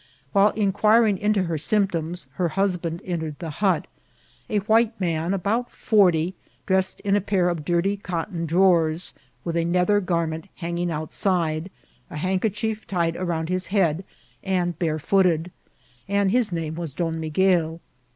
While in quiring into her symptoms, her husband entered the hut, a white man, about forty, dressed in a pair of dirty cot ton drawers, with a nether garment hanging outside, a handkerchief tied around his head, and barefooted ; and his name was Don Miguel.